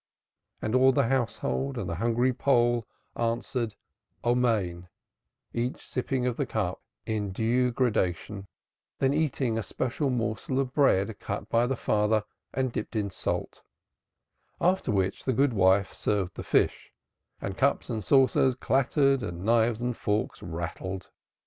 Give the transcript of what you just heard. And all the household, and the hungry Pole, answered "Amen," each sipping of the cup in due gradation, then eating a special morsel of bread cut by the father and dipped in salt; after which the good wife served the fish, and cups and saucers clattered and knives and forks rattled.